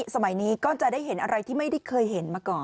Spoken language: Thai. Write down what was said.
สมัยที่ล่ะก็จะเห็นอะไรก็ไม่เคยเห็นมาก่อน